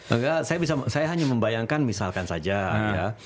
enggak saya hanya membayangkan misalkan saja ya